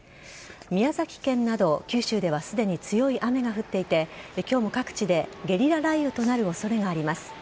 宮崎県など九州ではすでに強い雨が降っていて今日も各地でゲリラ雷雨となる恐れがあります。